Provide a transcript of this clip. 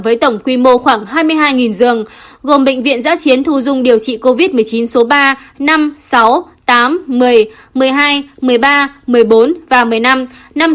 với tổng quy mô khoảng hai mươi hai giường gồm bệnh viện giã chiến thu dung điều trị covid một mươi chín số ba năm sáu tám một mươi một mươi hai một mươi ba một mươi bốn và một mươi năm